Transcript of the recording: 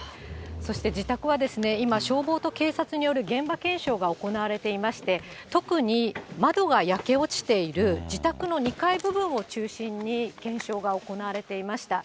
そして自宅は今、消防と警察による現場検証が行われていまして、特に窓が焼け落ちている自宅の２階部分を中心に検証が行われていました。